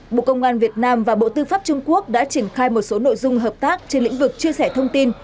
bộ công an việt nam và bộ tư pháp trung quốc đã triển khai một số nội dung hợp tác trên lĩnh vực chia sẻ thông tin